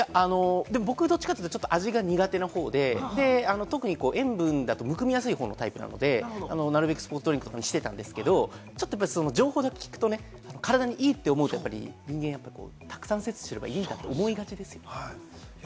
僕どっちかというと味が苦手な方で、特に塩分だと、むくみやすいタイプなので、なるべくスポーツドリンクにしてたんですけど、情報だけ聞くと体にいいと思う人はたくさん摂取すればいいって思いがちですよね。